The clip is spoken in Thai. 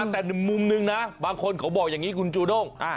แต่มุมนึงนะบางคนเขาบอกอย่างนี้คุณจูด้ง